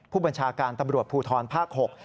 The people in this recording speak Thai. ผู้บัญชาการตำรวจภูทรภาค๖